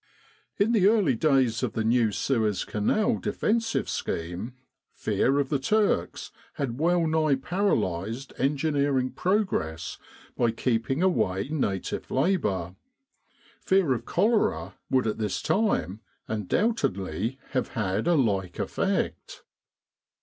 In the early days of the new Suez Canal defensive scheme, fear of the Turks had well nigh paralysed engineering progress by keeping av^ay native labour : fear of cholera would at this time undoubtedly have had a like effect.